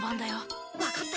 わかった。